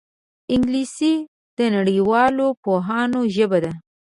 انګلیسي د نړیوالو پوهانو ژبه ده